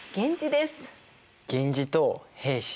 源氏と平氏。